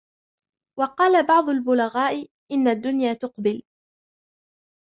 وَقَالَ بَعْضُ الْبُلَغَاءِ إنَّ الدُّنْيَا تُقْبِلُ